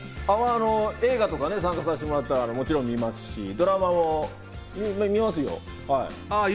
映画とか参加させてもらったら、もちろん見ますし、ドラマも見ますよ。